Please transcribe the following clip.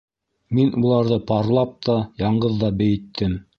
Мин уларҙы парлап та, яңғыҙ ҙа бейеттем.